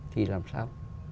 thì làm sao